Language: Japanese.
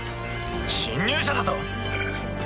侵入者だと？